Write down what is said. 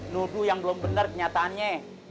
nudu yang belum bener kenyataannya